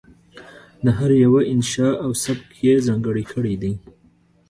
د هر یوه انشأ او سبک یې ځانګړی کړی دی.